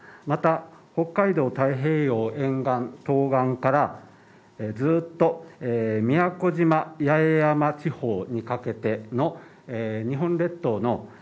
また、北海道太平洋沿岸東岸からずっと宮古島・八重山地方にかけての、日本列島の